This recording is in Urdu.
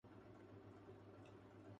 کہ ہزاروں سجدے تڑپ رہے ہیں مری جبین نیاز میں